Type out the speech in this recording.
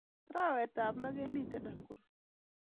Arawet ab loo kemiten Nakuru